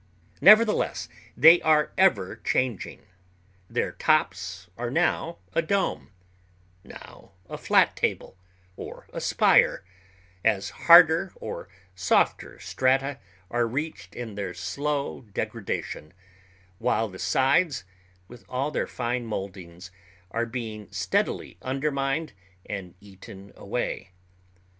Nevertheless they are ever changing; their tops are now a dome, now a flat table or a spire, as harder or softer strata are reached in their slow degradation, while the sides, with all their fine moldings, are being steadily undermined and eaten away.